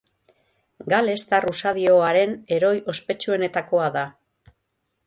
Galestar usadioaren heroi ospetsuenetakoa da.